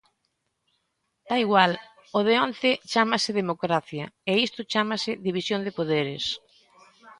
Dá igual, o de onte chámase democracia, e isto chámase división de poderes.